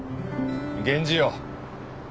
源氏よ